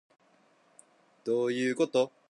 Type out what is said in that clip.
どういうこと